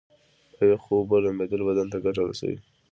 په یخو اوبو لمبیدل بدن ته ګټه رسوي.